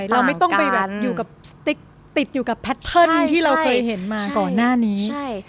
เราไม่ต้องไปแบบอยู่กับติดอยู่กับที่เราเคยเห็นมาก่อนหน้านี้ใช่